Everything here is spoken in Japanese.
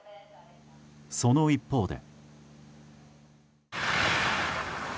その一方で。